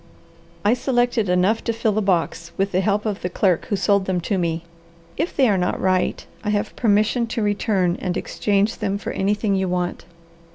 "I selected enough to fill the box, with the help of the clerk who sold them to me. If they are not right, I have permission to return and exchange them for anything you want."